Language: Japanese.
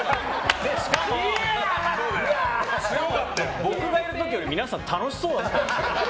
しかも、僕がいる時より皆さん楽しそうだったんですけど。